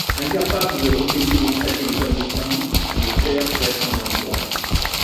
Incapable de repayer les traites exorbitantes, le père perd son emploi.